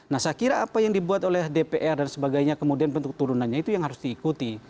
nah saya kira apa yang dibuat oleh dpr dan sebagainya kemudian bentuk turunannya itu yang harus diikuti